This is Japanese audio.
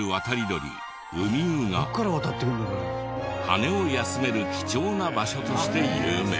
羽を休める貴重な場所として有名。